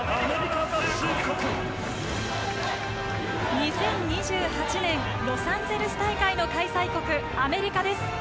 ２０２８年ロサンゼルス大会の開催国アメリカです。